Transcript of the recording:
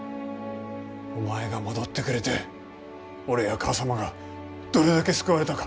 お前が戻ってくれて俺や母さまがどれだけ救われたか。